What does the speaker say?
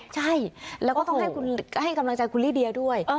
ใช่แล้วก็ต้องให้กำลังใจคุณลิเดียด้วย